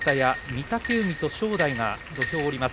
御嶽海と正代が土俵を下ります。